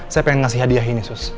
saya pengen ngasih hadiah ini sus